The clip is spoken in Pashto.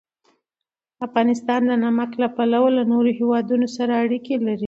افغانستان د نمک له پلوه له نورو هېوادونو سره اړیکې لري.